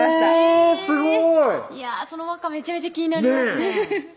えぇすごいいやその和歌めちゃめちゃ気になりますね